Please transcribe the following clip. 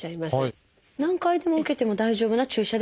何回でも受けても大丈夫な注射ではあるんですか？